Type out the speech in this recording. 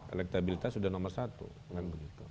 elektabilitas sudah nomor satu